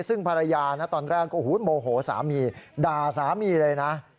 ซึ่งภรรยานะตอนแรกก็โมโหสามีด่าสามีเลยนะ